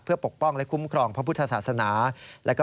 เพื่อปกป้องและคุ้มครองพระพุทธศาสนา